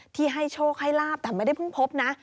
ที่ให้โชคให้ลาบแต่ไม่ได้เพิ่งพบนะ